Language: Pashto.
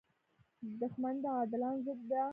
• دښمني د عادلانو ضد ده.